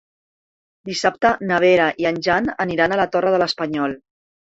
Dissabte na Vera i en Jan aniran a la Torre de l'Espanyol.